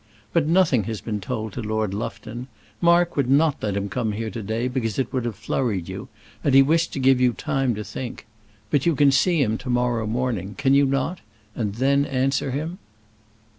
But nothing has been told to Lord Lufton. Mark would not let him come here to day, because it would have flurried you, and he wished to give you time to think. But you can see him to morrow morning, can you not? and then answer him."